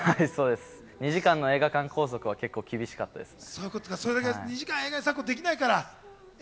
２時間の映画拘束は厳しかったですね。